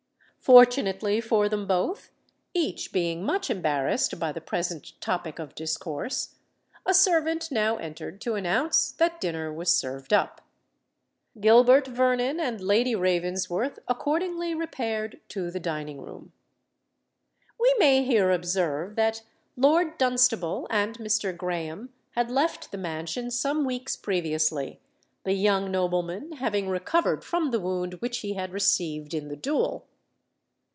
Fortunately for them both, each being much embarrassed by the present topic of discourse, a servant now entered to announce that dinner was served up. Gilbert Vernon and Lady Ravensworth accordingly repaired to the dining room. We may here observe that Lord Dunstable and Mr. Graham had left the mansion some weeks previously, the young nobleman having recovered from the wound which he had received in the duel.